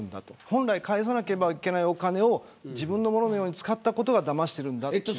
本来返さなければいけないお金を自分のもののように使ったことがだましていると。